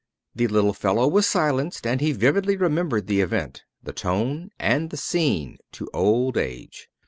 The little fellow was silenced, and he vividly remembered the event, the tone, and the scene, to old age.